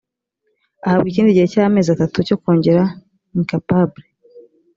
ahabwa ikindi gihe cy amezi atatu cyo kongera incapable